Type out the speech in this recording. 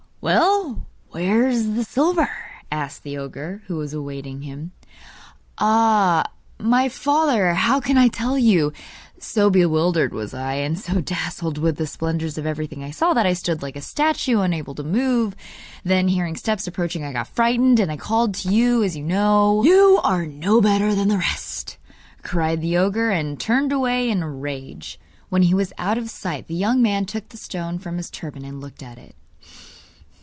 'Well, where is the silver?' asked the ogre, who was awaiting him. 'Ah, my father, how can I tell you! So bewildered was I, and so dazzled with the splendours of everything I saw, that I stood like a statue, unable to move. Then hearing steps approaching I got frightened, and called to you, as you know.' 'You are no better than the rest,' cried the ogre, and turned away in a rage. When he was out of sight the young man took the stone from his turban and looked at it.